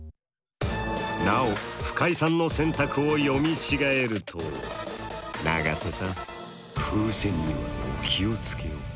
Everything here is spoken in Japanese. なお深井さんの選択を読み違えると永瀬さん風船にはお気を付けを。